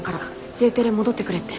Ｊテレ戻ってくれって。